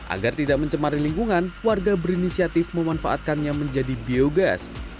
agar tidak mencemari lingkungan warga berinisiatif memanfaatkannya menjadi biogas